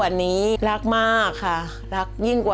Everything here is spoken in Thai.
รายการต่อไปนี้เป็นรายการทั่วไปสามารถรับชมได้ทุกวัย